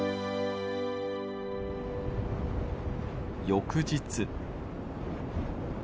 翌日。